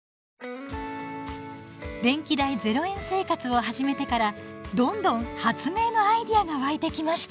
電気代０円生活を始めてからどんどん発明のアイデアが湧いてきました。